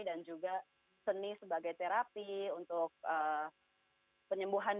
dan juga seni sebagai terapi untuk penyembuhan di